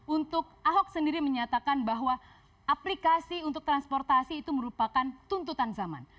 untuk ahok sendiri menyatakan bahwa aplikasi untuk transportasi itu merupakan tuntutan zaman